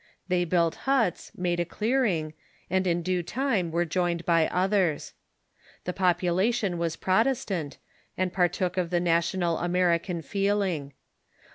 They built huts, made a clearing, and in due time were joined by others. The population was Protestant, and partook of the national American feeling.